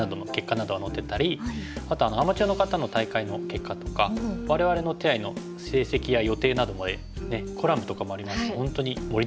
あとアマチュアの方の大会の結果とか我々の手合の成績や予定などもコラムとかもありますし本当に盛りだくさんですよね。